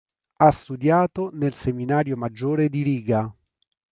Ha studiato nel seminario maggiore di Riga.